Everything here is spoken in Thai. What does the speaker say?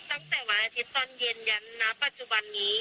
ตั้งแต่วันอาทิตย์ตอนเย็นยันณปัจจุบันนี้